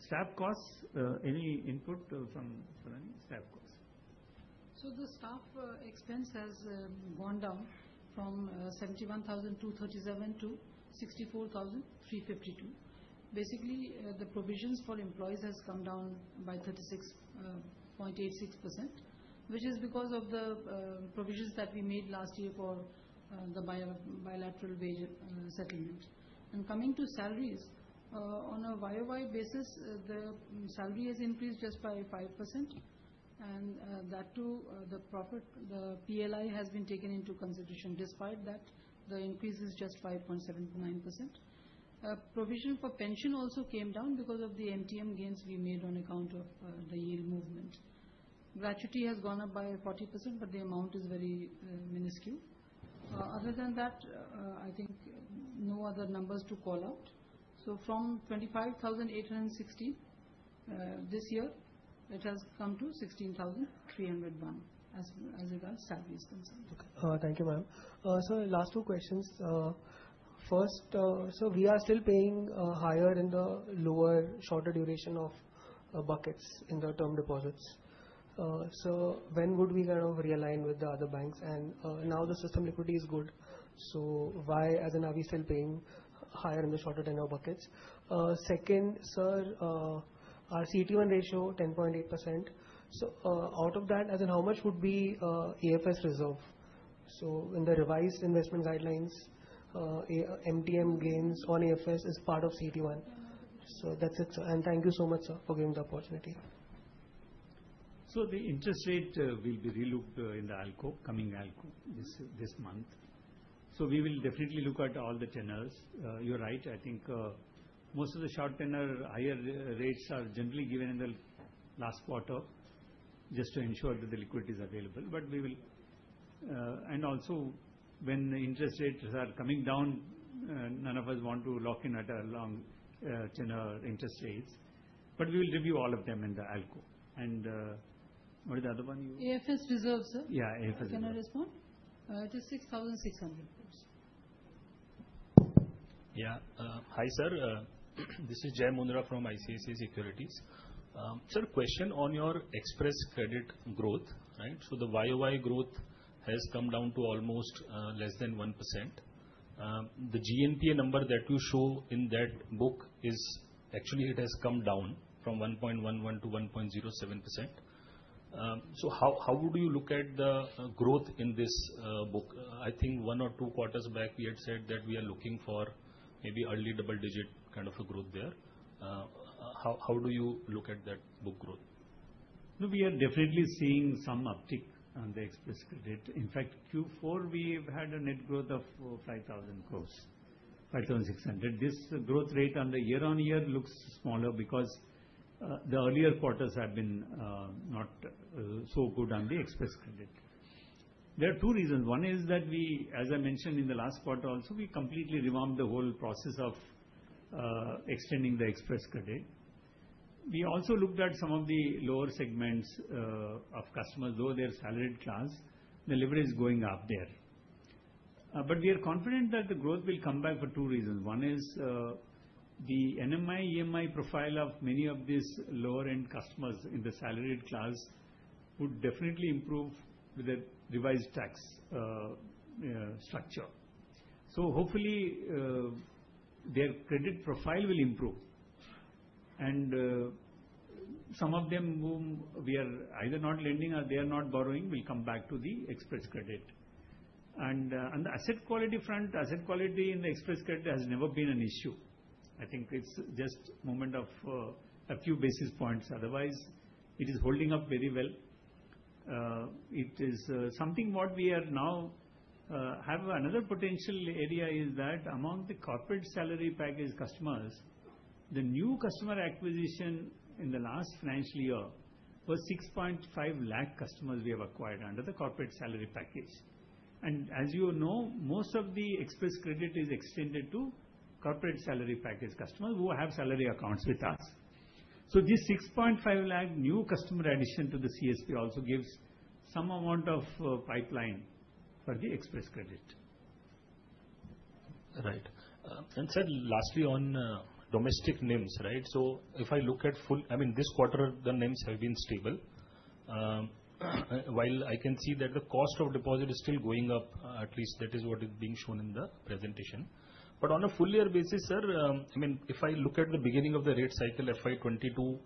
Staff costs, any input from staff costs? The staff expense has gone down from 71,237 million to 64,352 million. Basically, the provisions for employees have come down by 36.86%, which is because of the provisions that we made last year for the bilateral wage settlement. Coming to salaries, on a YOY basis, the salary has increased just by 5%. That too, the PLI has been taken into consideration. Despite that, the increase is just 5.79%. Provision for pension also came down because of the MTM gains we made on account of the yield movement. Gratuity has gone up by 40%, but the amount is very minuscule. Other than that, I think no other numbers to call out. From 25,860 million this year, it has come to 16,301 million as regards salaries concerned. Thank you, ma'am. Last two questions. First, we are still paying higher in the lower, shorter duration of buckets in the term deposits. When would we kind of realign with the other banks? Now the system liquidity is good. Why are we still paying higher in the shorter tenure buckets? Second, sir, our CET1 ratio, 10.8%. Out of that, how much would be AFS reserve? In the revised investment guidelines, MTM gains on AFS is part of CET1. That is it, sir. Thank you so much, sir, for giving the opportunity. The interest rate will be relooked in the coming ALCO this month. We will definitely look at all the tenures. You're right. I think most of the short tenure higher rates are generally given in the last quarter just to ensure that the liquidity is available. We will, and also, when the interest rates are coming down, none of us want to lock in at a long tenure interest rates. We will review all of them in the ALCO. What is the other one you? AFS reserve, sir. Can I respond? It is 6,600 crore. Yeah. Hi, sir. This is Jai Mundhra from ICICI Securities. Sir, question on your Xpress Credit growth, right? The YOY growth has come down to almost less than 1%. The GNPA number that you show in that book is actually it has come down from 1.11% to 1.07%. How would you look at the growth in this book? I think one or two quarters back, we had said that we are looking for maybe early double-digit kind of a growth there. How do you look at that book growth? We are definitely seeing some uptick on the Xpress Credit. In fact, Q4, we had a net growth of 5,000 crore, 5,600 crore. This growth rate on the year-on-year looks smaller because the earlier quarters have been not so good on the Xpress Credit. There are two reasons. One is that we, as I mentioned in the last quarter also, we completely revamped the whole process of extending the Xpress Credit. We also looked at some of the lower segments of customers, though they're salaried class, the leverage is going up there. We are confident that the growth will come back for two reasons. One is the EMI profile of many of these lower-end customers in the salaried class would definitely improve with the revised tax structure. Hopefully, their credit profile will improve. Some of them whom we are either not lending or they are not borrowing will come back to the Xpress Credit. On the asset quality front, asset quality in the Xpress Credit has never been an issue. I think it's just a movement of a few basis points. Otherwise, it is holding up very well. It is something what we are now have another potential area is that among the corporate salary package customers, the new customer acquisition in the last financial year was 650,000 customers we have acquired under the corporate salary package. As you know, most of the express credit is extended to corporate salary package customers who have salary accounts with us. This 650,000 new customer addition to the CSP also gives some amount of pipeline for the express credit. Right. Sir, lastly on domestic NIMs, right? If I look at full, I mean, this quarter, the NIMs have been stable. While I can see that the cost of deposit is still going up, at least that is what is being shown in the presentation. On a full year basis, sir, I mean, if I look at the beginning of the rate cycle, financial year 2022,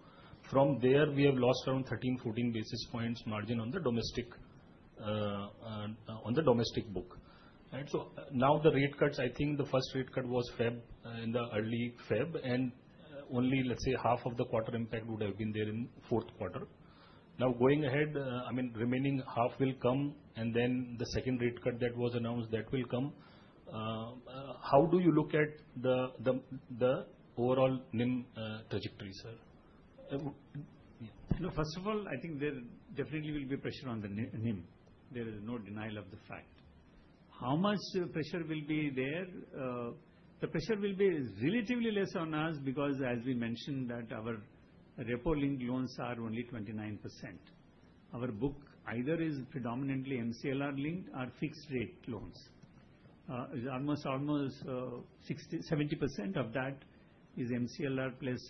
from there, we have lost around 13-14 basis points margin on the domestic book. Right? Now the rate cuts, I think the first rate cut was February, in early February, and only, let's say, half of the quarter impact would have been there in fourth quarter. Now going ahead, I mean, remaining half will come, and then the second rate cut that was announced, that will come. How do you look at the overall NIM trajectory, sir? No, first of all, I think there definitely will be pressure on the NIM. There is no denial of the fact. How much pressure will be there? The pressure will be relatively less on us because, as we mentioned, that our repo-linked loans are only 29%. Our book either is predominantly MCLR-linked or fixed-rate loans. Almost 70% of that is MCLR plus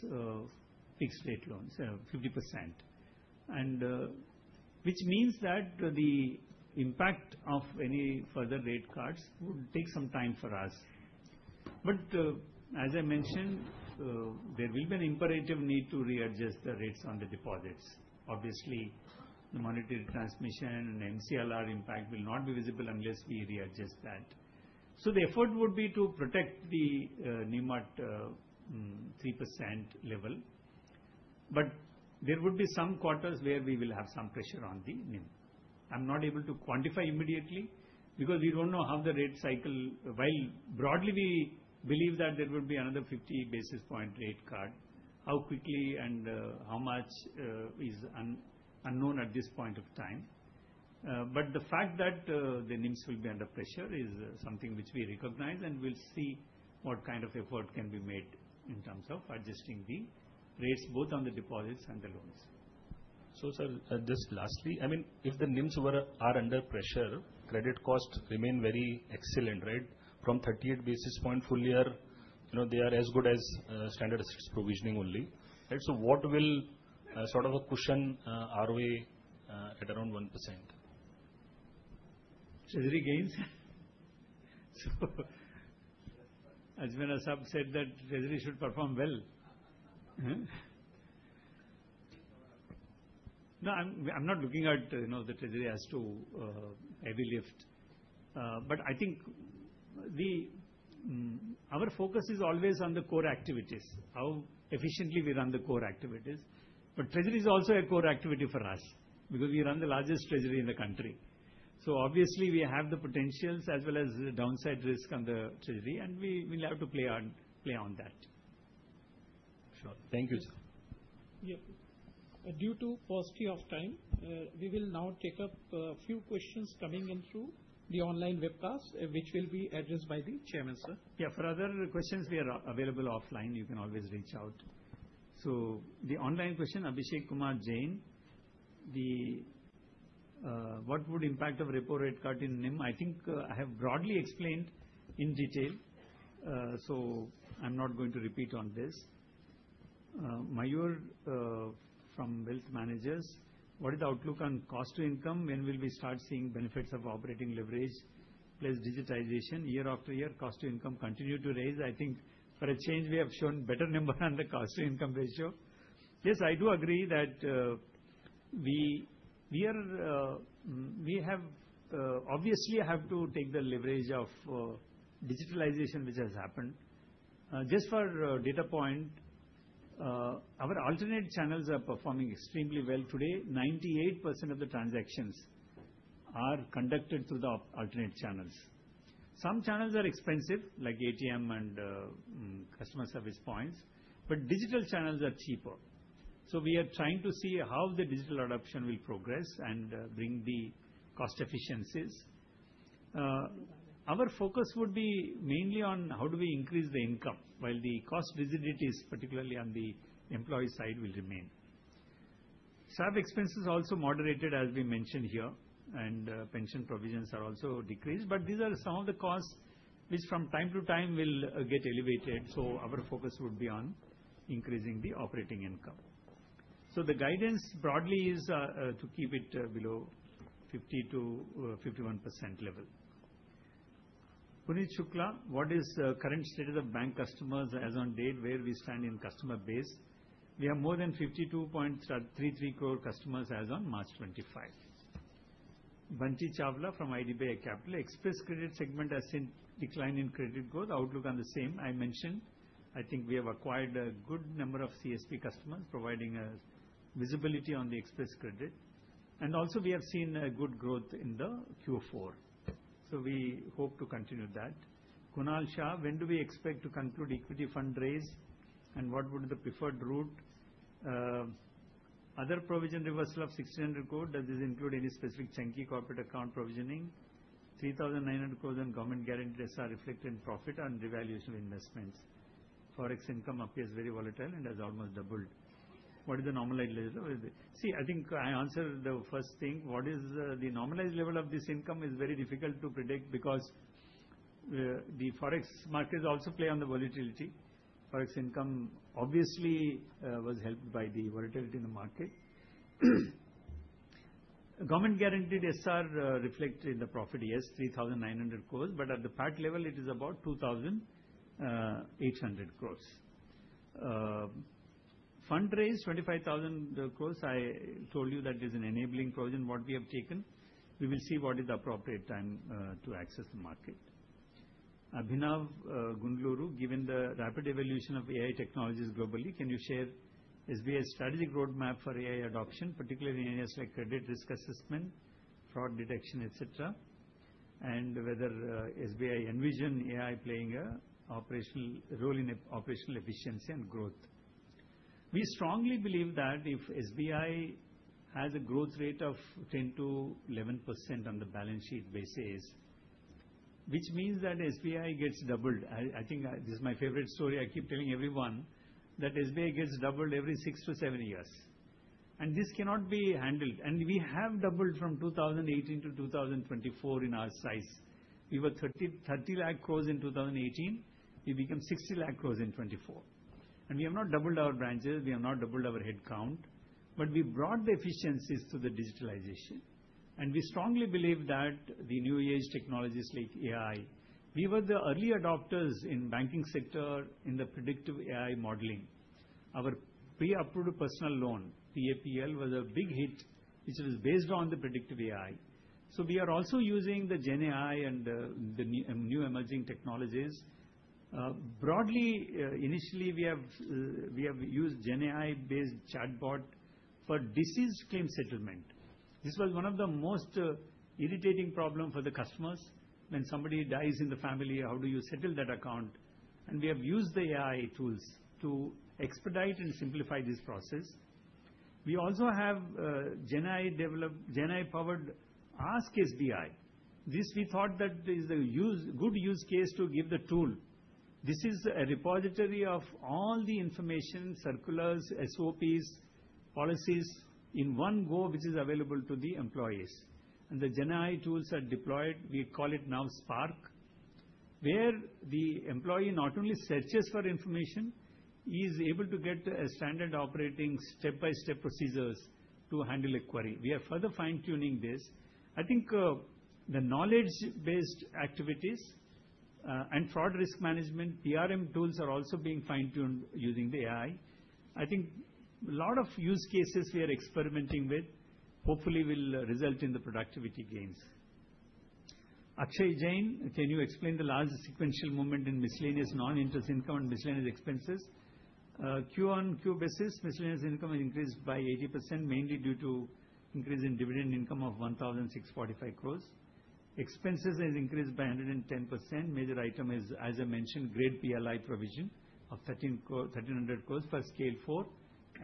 fixed-rate loans, 50%. Which means that the impact of any further rate cuts would take some time for us. As I mentioned, there will be an imperative need to readjust the rates on the deposits. Obviously, the monetary transmission and MCLR impact will not be visible unless we readjust that. The effort would be to protect the NIM at 3% level. There would be some quarters where we will have some pressure on the NIM. I'm not able to quantify immediately because we don't know how the rate cycle, while broadly we believe that there will be another 50 basis point rate cut, how quickly and how much is unknown at this point of time. The fact that the NIMs will be under pressure is something which we recognize and will see what kind of effort can be made in terms of adjusting the rates both on the deposits and the loans. Sir, just lastly, I mean, if the NIMs are under pressure, credit costs remain very excellent, right? From 38 basis points full year, they are as good as standard assets provisioning only, right? So what will sort of a cushion ROA at around 1%? Treasury gains. As many as have said that Treasury should perform well. No, I'm not looking at the Treasury as too heavy lift. I think our focus is always on the core activities, how efficiently we run the core activities. Treasury is also a core activity for us because we run the largest Treasury in the country. Obviously, we have the potentials as well as the downside risk on the Treasury, and we will have to play on that. Sure. Thank you, sir. Yeah. Due to paucity of time, we will now take up a few questions coming in through the online webcast, which will be addressed by the Chairman, sir. Yeah, for other questions, we are available offline. You can always reach out. The online question, Abhishek Kumar Jain, what would impact of repo rate cut in NIM? I think I have broadly explained in detail, so I'm not going to repeat on this. Mayur from Wealth Managers, what is the outlook on cost to income? When will we start seeing benefits of operating leverage plus digitization year after year? Cost to income continued to raise. I think for a change, we have shown better number on the cost to income ratio. Yes, I do agree that we have obviously have to take the leverage of digitalization, which has happened. Just for data point, our alternate channels are performing extremely well today. 98% of the transactions are conducted through the alternate channels. Some channels are expensive, like ATM and customer service points, but digital channels are cheaper. We are trying to see how the digital adoption will progress and bring the cost efficiencies. Our focus would be mainly on how do we increase the income, while the cost rigidity, particularly on the employee side, will remain. Staff expenses also moderated, as we mentioned here, and pension provisions are also decreased. These are some of the costs which from time to time will get elevated. Our focus would be on increasing the operating income. The guidance broadly is to keep it below 50-51% level. Puneet Shukla, what is the current status of bank customers as on date, where we stand in customer base? We have more than 52.33 crore customers as on March 25. Bunty Chawla from IDBI Capital, Xpress Credit segment has seen decline in credit growth. Outlook on the same. I mentioned, I think we have acquired a good number of CSP customers, providing visibility on the Xpress Credit. Also, we have seen good growth in the Q4. We hope to continue that. Kunal Shah, when do we expect to conclude equity fund raise? What would be the preferred route? Other provision reversal of 1,600 crore, does this include any specific chunky corporate account provisioning? 3,900 crore and government guaranteed SR reflected in profit on revaluation of investments. Forex income appears very volatile and has almost doubled. What is the normalized level? I think I answered the first thing. What is the normalized level of this income is very difficult to predict because the forex markets also play on the volatility. Forex income obviously was helped by the volatility in the market. Government guaranteed SR reflected in the profit, yes, 3,900 crore, but at the PAT level, it is about 2,800 crore. Fund raise, 25,000 crore, I told you that is an enabling provision what we have taken. We will see what is the appropriate time to access the market. Abhinav Gundluru, given the rapid evolution of AI technologies globally, can you share SBI's strategic roadmap for AI adoption, particularly in areas like credit risk assessment, fraud detection, etc., and whether SBI envision AI playing an operational role in operational efficiency and growth? We strongly believe that if SBI has a growth rate of 10-11% on the balance sheet basis, which means that SBI gets doubled. I think this is my favorite story. I keep telling everyone that SBI gets doubled every six to seven years. This cannot be handled. We have doubled from 2018 to 2024 in our size. We were 3 trillion in 2018. We became 6 trillion in 2024. We have not doubled our branches. We have not doubled our headcount. We brought the efficiencies to the digitalization. We strongly believe that the new age technologies like AI, we were the early adopters in the banking sector in the predictive AI modeling. Our Pre-Approved Personal Loan, PAPL, was a big hit, which was based on the predictive AI. We are also using the GenAI and the new emerging technologies. Broadly, initially, we have used GenAI-based chatbot for deceased claim settlement. This was one of the most irritating problems for the customers. When somebody dies in the family, how do you settle that account? We have used the AI tools to expedite and simplify this process. We also have GenAI-powered Ask SBI. This we thought that is a good use case to give the tool. This is a repository of all the information, circulars, SOPs, policies in one go, which is available to the employees. The GenAI tools are deployed. We call it now Spark, where the employee not only searches for information, he is able to get standard operating step-by-step procedures to handle a query. We are further fine-tuning this. I think the knowledge-based activities and fraud risk management, FRM tools are also being fine-tuned using the AI. I think a lot of use cases we are experimenting with hopefully will result in the productivity gains. Akshay Jain, can you explain the large sequential movement in miscellaneous non-interest income and miscellaneous expenses? Q on Q basis, miscellaneous income has increased by 80%, mainly due to increase in dividend income of 1,645 crore. Expenses has increased by 110%. Major item is, as I mentioned, grade PLI provision of 13 billion for scale four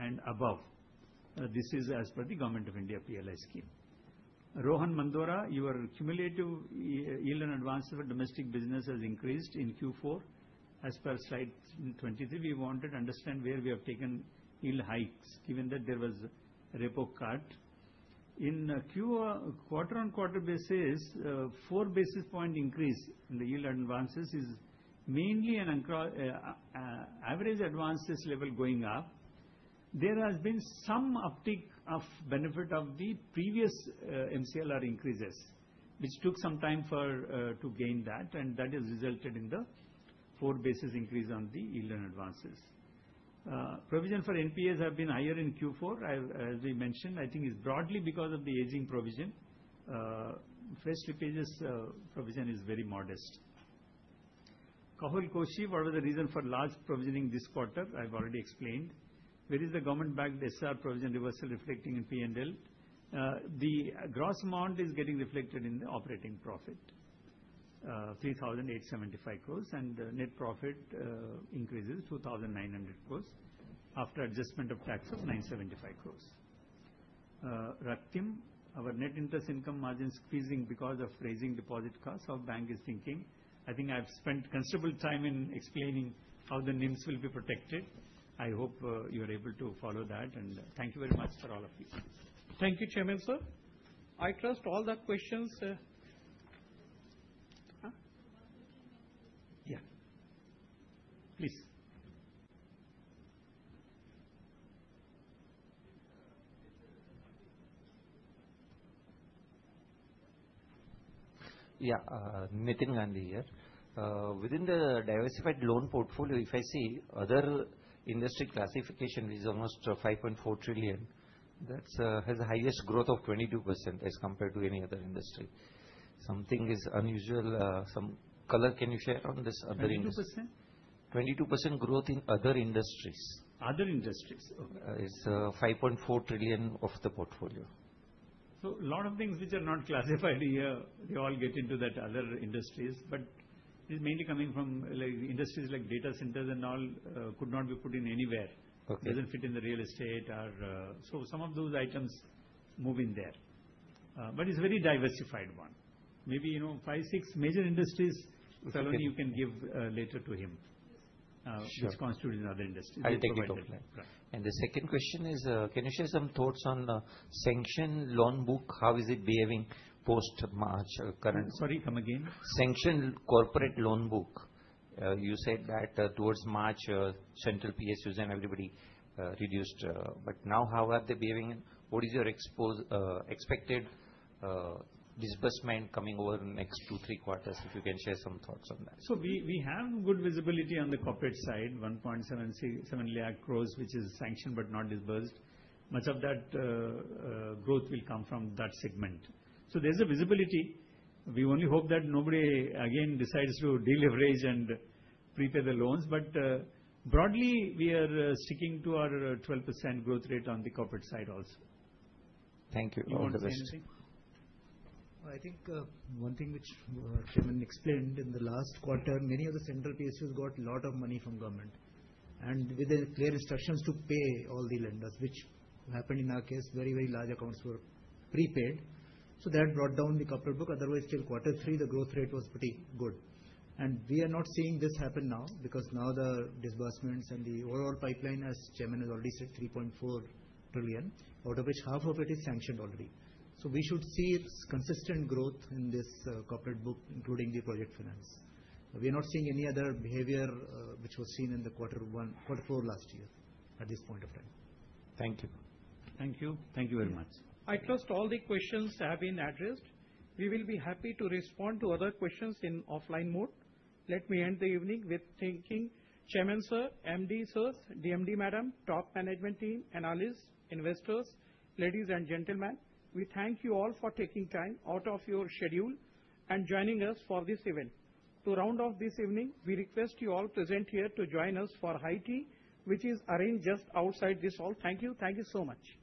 and above. This is as per the Government of India PLI scheme. Rohan Mandora, your cumulative yield and advance for domestic business has increased in Q4. As per slide 23, we wanted to understand where we have taken yield hikes, given that there was repo cut. In Q4, on quarter basis, four basis point increase in the yield advances is mainly an average advances level going up. There has been some uptick of benefit of the previous MCLR increases, which took some time to gain that, and that has resulted in the four basis increase on the yield and advances. Provision for NPAs have been higher in Q4, as we mentioned, I think is broadly because of the aging provision. First leakages provision is very modest. Kahul Koshi, what was the reason for large provisioning this quarter? I've already explained. Where is the government-backed SR provision reversal reflecting in P&L? The gross amount is getting reflected in the operating profit, 3,875 crore, and net profit increases 2,900 crore after adjustment of tax of 975 crore. Raktim, our net interest income margin is squeezing because of raising deposit costs. How bank is thinking? I think I've spent considerable time in explaining how the NIMs will be protected. I hope you are able to follow that. Thank you very much for all of these. Thank you, Chairman, sir. I trust all the questions. Yeah. Please. Yeah, Nitin Gandhi here. Within the diversified loan portfolio, if I see other industry classification, which is almost 5.4 trillion, that has the highest growth of 22% as compared to any other industry. Something is unusual. Some color can you share on this other industry? 22%? 22% growth in other industries. Other industries. Okay. It's 5.4 trillion of the portfolio. A lot of things which are not classified here, they all get into that other industries. It is mainly coming from industries like data centers and all could not be put in anywhere. It does not fit in the real estate or so some of those items move in there. It is a very diversified one. Maybe five, six major industries, Saloni, you can give later to him, which constitutes another industry. I'll take it offline. The second question is, can you share some thoughts on the sanctioned loan book? How is it behaving post-March current? Sorry, come again? Sanctioned corporate loan book. You said that towards March, central PSUs and everybody reduced. Now how are they behaving? What is your expected disbursement coming over the next two, three quarters? If you can share some thoughts on that. We have good visibility on the corporate side, 1.7 lakh crore, which is sanctioned but not disbursed. Much of that growth will come from that segment. There is a visibility. We only hope that nobody again decides to deleverage and prepay the loans. Broadly, we are sticking to our 12% growth rate on the corporate side also. Thank you. You want to say anything? I think one thing which Chairman explained in the last quarter, many of the central PSUs got a lot of money from government and with clear instructions to pay all the lenders, which happened in our case, very, very large accounts were prepaid. That brought down the corporate book. Otherwise, till quarter three, the growth rate was pretty good. We are not seeing this happen now because now the disbursements and the overall pipeline, as Chairman has already said, 3.4 trillion, out of which half of it is sanctioned already. We should see consistent growth in this corporate book, including the project finance. We are not seeing any other behavior which was seen in the quarter four last year at this point of time. Thank you. Thank you. Thank you very much. I trust all the questions have been addressed. We will be happy to respond to other questions in offline mode. Let me end the evening with thanking Chairman Sir, MD Sir, DMD Madam, top management team, and all these investors, ladies and gentlemen. We thank you all for taking time out of your schedule and joining us for this event. To round off this evening, we request you all present here to join us for high tea, which is arranged just outside this hall. Thank you. Thank you so much.